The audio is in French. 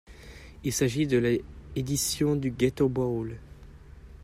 Il s'agit de la édition du Gator Bowl.